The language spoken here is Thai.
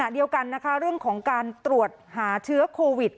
เดียวกันนะคะเรื่องของการตรวจหาเชื้อโควิด